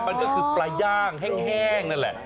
มันก็คือปลาย่างแห้งนั่นแหละ